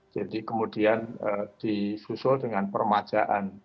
jadi kemudian disusul dengan permajaan